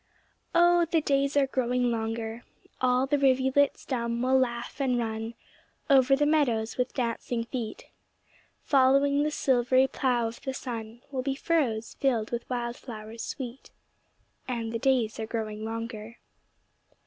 Oh, the days are growing longer, All the rivulets dumb will laugh, and run Over the meadows with dancing feet; Following the silvery plough of the sun, Will be furrows filled with wild flowers sweet: And the days are growing longer.